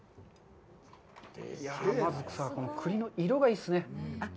まず栗の色がいいですね。